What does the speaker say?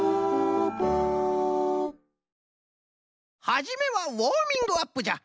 はじめはウォーミングアップじゃ。